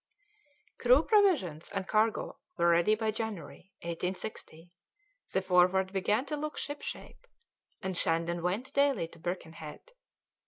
Z. Crew, provisions, and cargo were ready by January, 1860; the Forward began to look shipshape, and Shandon went daily to Birkenhead.